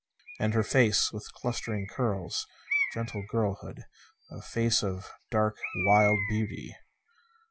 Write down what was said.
And her face, with clustering curls. Gentle girlhood. A face of dark, wild beauty.